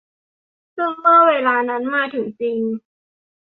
ซึ่งเมื่อเวลานั้นมาถึงจริง